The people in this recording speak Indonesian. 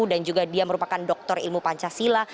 dan juga dia merupakan dokter ilmu pancasila